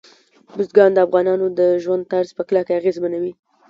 بزګان د افغانانو د ژوند طرز په کلکه اغېزمنوي.